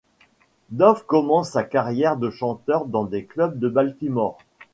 Dove commence sa carrière de chanteur dans des clubs de Baltimore.